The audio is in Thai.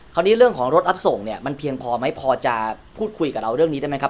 เรื่องของรถรับส่งเนี่ยมันเพียงพอไหมพอจะพูดคุยกับเราเรื่องนี้ได้ไหมครับ